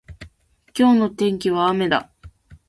今日の天気は雨だ。